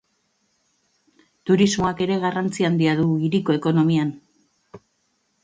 Turismoak ere garrantzi handia du hiriko ekonomian.